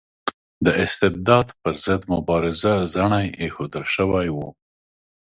د استبداد پر ضد مبارزه زڼي ایښودل شوي وو.